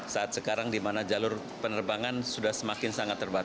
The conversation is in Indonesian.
saat sekarang di mana jalur penerbangan sudah semakin sangat terbatas